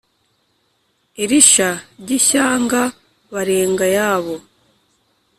iri sha ry ' ishyanga barenga ayabo,